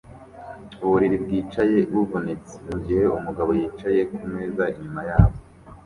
Uburiri bwicaye buvunitse mugihe umugabo yicaye kumeza inyuma yabo